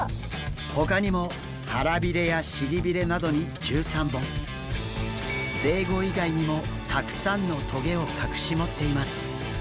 ほかにも腹びれや尻びれなどに１３本ぜいご以外にもたくさんの棘を隠し持っています。